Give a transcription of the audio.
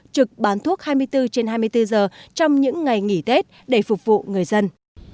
trực bán thuốc hai mươi bốn trên hai mươi bốn giờ trong những ngày nghỉ tết để phục vụ người dân